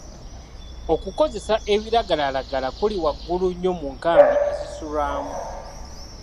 Okukozesa ebiragalalagala kuli waggulu nnyo mu nkambi ezisulwamu.